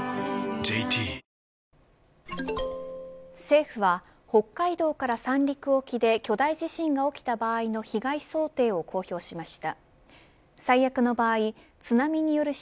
ＪＴ政府は北海道から三陸沖で巨大地震が起きた場合の被害想定を公表しました。